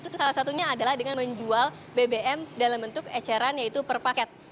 salah satunya adalah dengan menjual bbm dalam bentuk eceran yaitu per paket